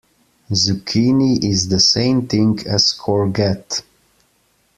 Zucchini is the same thing as courgette